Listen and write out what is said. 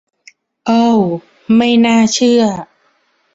โอว ไม่น่าเชื่อ !